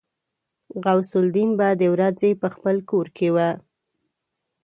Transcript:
غوث الدين به د ورځې په خپل کور کې و.